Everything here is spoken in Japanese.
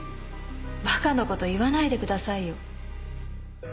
馬鹿な事言わないでくださいよ。